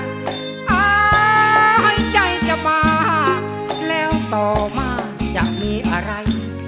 หายใจจะมาแล้วต่อมาจะมีอะไร